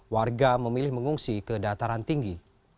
warga memilih mengungsi ke dataran tinggi